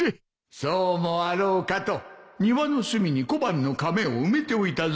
そうもあろうかと庭の隅に小判のかめを埋めておいたぞ。